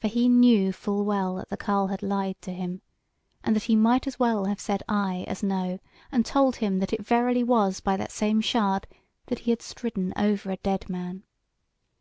For he knew full well that the carle had lied to him, and that he might as well have said aye as no, and told him, that it verily was by that same shard that he had stridden over a dead man.